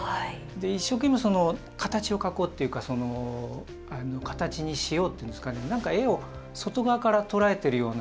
一生懸命形を描こうというか形にしようというのですかねなんか絵を外側から捉えているような。